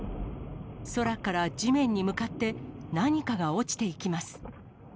空から地面に向かって何かが落ちていきます。